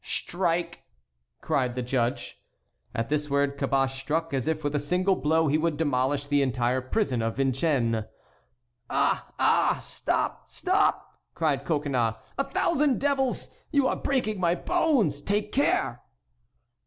"Strike," cried the judge. At this word Caboche struck as if with a single blow he would demolish the entire prison of Vincennes. "Ah! ah! Stop! stop!" cried Coconnas; "a thousand devils! you are breaking my bones! Take care!"